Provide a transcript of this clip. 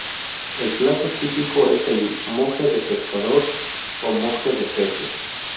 El plato típico es el "moje de pescador" o "moje de peces".